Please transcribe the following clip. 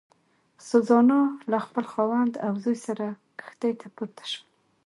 سوزانا له خپل خاوند او زوی سره کښتۍ ته پورته شول.